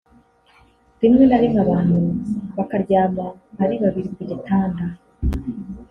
rimwe na rimwe abantu bakaryama ari babiri ku gitanda